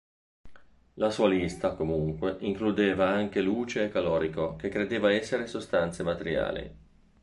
La sua lista, comunque, includeva anche luce e calorico, che credeva essere sostanze materiali.